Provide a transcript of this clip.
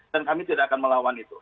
dan kami tidak akan melawan itu